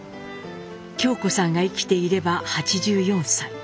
京子さんが生きていれば８４歳。